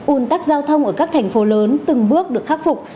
ủn tắc giao thông ở các thành phố lớn từng bước được khắc phục